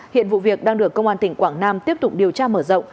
hiện vụ việc đang được công an tỉnh quảng nam tiếp tục điều tra mở rộng